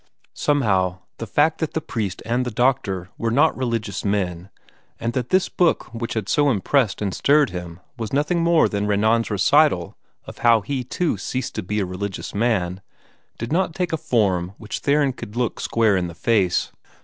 Somehow, the fact that the priest and the doctor were not religious men, and that this book which had so impressed and stirred him was nothing more than Renan's recital of how he, too, ceased to be a religious man, did not take a form which Theron could look square in the face.